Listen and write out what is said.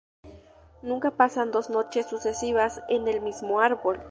Nunca pasan dos noches sucesivas en el mismo árbol.